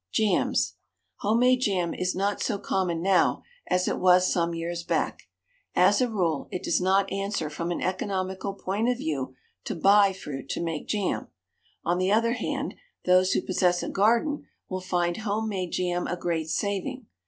JAMS. Home made jam is not so common now as it was some years back. As a rule, it does not answer from an economical point of view to buy fruit to make jam. On the other hand, those who possess a garden will find home made jam a great saving.